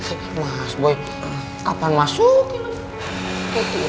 eh mas boy kapan masuk ini